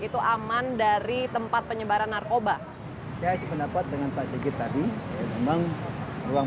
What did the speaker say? itu aman dari tempat penyebaran narkoba ya sependapat dengan pak sigit tadi memang ruang